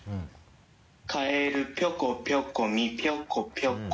かえるぴょこぴょこみぴょこぴょこ。